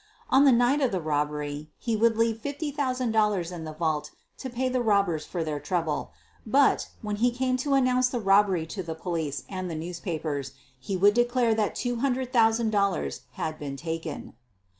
On the night of the robbery he would leave $50,000 in the vault to pay the robbers for their trouble, but, when he came to announce the robbery to the police and the newspapers, he would declare that $200,000 had been taken.